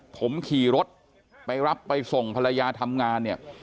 ผมขี่รถไปรับไปส่งภรรยาทำงานเนี่ย